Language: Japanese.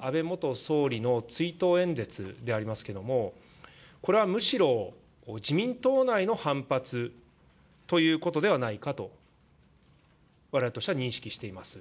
安倍元総理の追悼演説でありますけれども、これはむしろ自民党内の反発ということではないかと、われわれとしては認識しております。